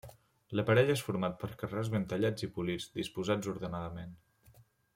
L'aparell és format per carreus ben tallats i polits, disposats ordenadament.